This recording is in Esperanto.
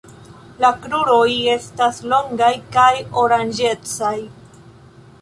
La kruroj estas longaj kaj oranĝecaj.